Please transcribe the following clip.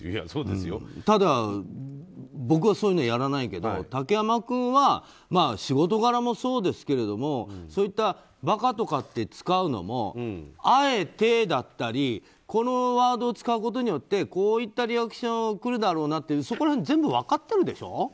ただ、僕はそういうのはやらないけど竹山君は仕事柄もそうですけど馬鹿とかって使うのもあえてだったりこのワードを使うことによってこういったリアクションが来るだろうなというのは全部分かってるでしょ？